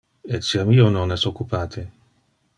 Etiam io non es occupate.